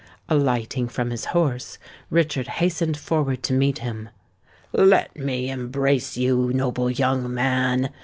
Alighting from his horse, Richard hastened forward to meet him. "Let me embrace you, noble young man!"